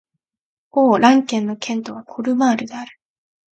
オー＝ラン県の県都はコルマールである